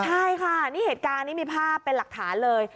ใช่ค่ะนี่เหตุการณ์นี้มีภาพเป็นหลักฐานเลย